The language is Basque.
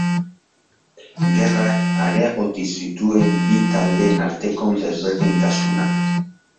Gerrak areagotu zituen bi taldeen arteko desberdintasunak.